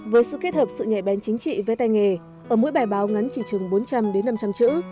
với sự kết hợp sự nhạy bén chính trị với tay nghề ở mỗi bài báo ngắn chỉ chừng bốn trăm linh đến năm trăm linh chữ